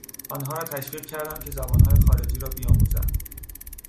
آنها را تشویق کردم که زبانهای خارجی را بیاموزند.